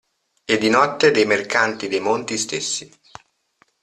E di notte dei mercanti dei monti stessi.